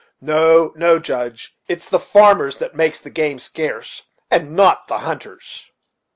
No, no, Judge, it's the farmers that makes the game scarce, and not the hunters."